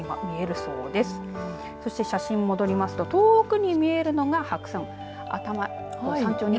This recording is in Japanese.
そして写真戻りますと遠くに見えるのが白山。